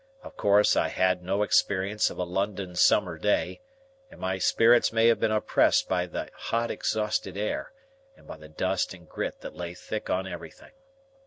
Of course I had no experience of a London summer day, and my spirits may have been oppressed by the hot exhausted air, and by the dust and grit that lay thick on everything.